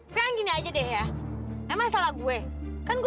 sampai jumpa di video selanjutnya